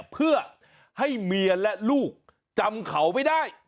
เพื่อให้เมียและลูกจำเขาไม่ได้